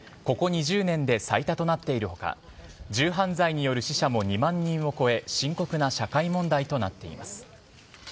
ここ２０年で最多となっている他銃犯罪による死者も２万人を超え深刻な社会問題となっています。